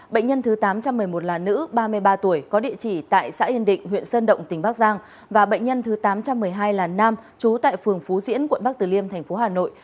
bệnh nhân thứ tám trăm một mươi hai là nam trú tại phường phú diễn quận bắc từ liêm thành phố hà nội